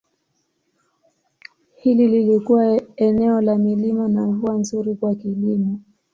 Hili lilikuwa eneo la milima na mvua nzuri kwa kilimo.